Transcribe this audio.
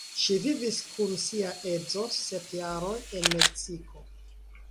Ŝi vivis kun sia edzo sep jaroj en Meksiko.